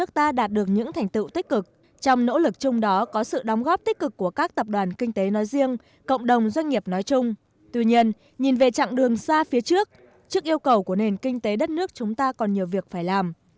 nước ta đạt được những thành tựu tích cực trong nỗ lực chung đó có sự đóng góp tích cực của các tập đoàn kinh tế nói riêng cộng đồng doanh nghiệp nói chung tuy nhiên nhìn về chặng đường xa phía trước trước yêu cầu của nền kinh tế đất nước chúng ta còn nhiều việc phải làm